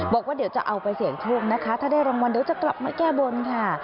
บอกว่าเดี๋ยวจะเอาไปเสี่ยงโชคนะคะถ้าได้รางวัลเดี๋ยวจะกลับมาแก้บนค่ะ